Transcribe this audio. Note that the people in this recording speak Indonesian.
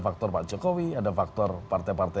faktor pak jokowi ada faktor partai partai